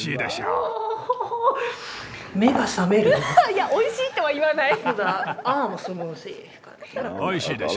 いやおいしいとは言わない。